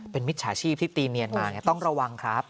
เป็นมิจฉาชีพที่ตีเนียนมาต้องระวังครับ